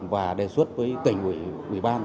và đề xuất với tỉnh quỷ quỷ ban